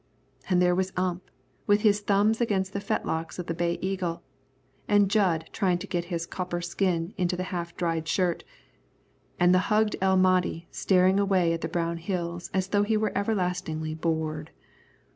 And there was Ump with his thumbs against the fetlocks of the Bay Eagle, and Jud trying to get his copper skin into the half dried shirt, and the hugged El Mahdi staring away at the brown hills as though he were everlastingly bored.